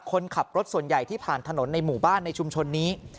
คนขับรถส่วนใหญ่ที่ผ่านถนนในหมู่บ้านในชุมชนนี้